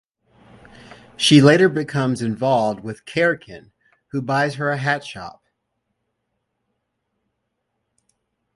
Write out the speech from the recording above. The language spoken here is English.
She later becomes involved with Karekin, who buys her a hat shop.